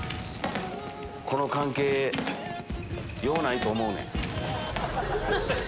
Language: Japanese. この関係ようないと思うねん。